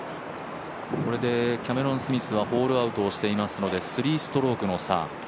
これでキャメロン・スミスはホールアウトしていますので３ストロークの差。